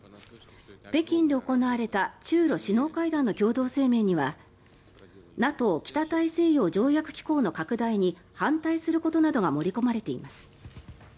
北京で行われた中ロ首脳会談の共同声明にはＮＡＴＯ・北大西洋条約機構の拡大に反対することなどが盛り込まれています。